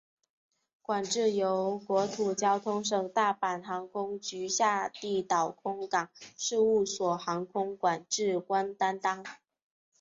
管制由国土交通省大阪航空局下地岛空港事务所航空管制官担当。